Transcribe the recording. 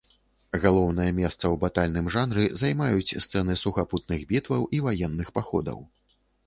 Галоўнае месца ў батальным жанры займаюць сцэны сухапутных, бітваў і ваенных паходаў.